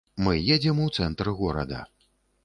Мы едзем у цэнтр горада.